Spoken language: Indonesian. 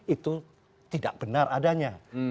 itu tidak benar adanya